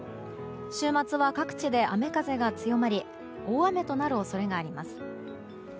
週末は各地で雨風が強まり大雨となる恐れがあります。